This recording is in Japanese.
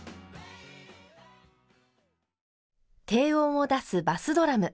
低音を出すバスドラム。